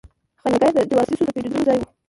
خانقاه یې د جواسیسو د پټېدلو ځای وو.